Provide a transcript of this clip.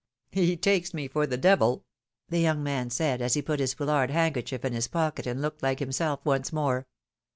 He takes me for the devil !" the young man said as he put his foulard handkerchief in his pocket and looked like himself once more.